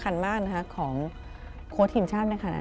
เพราะฝืดกระแสฝืดนะ